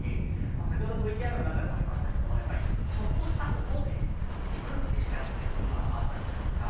先ほどＶＴＲの中でもありましたけど、ちょっとした音で、びくってしちゃうっていうことがあったじゃないですか。